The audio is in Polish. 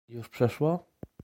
Już przeszło.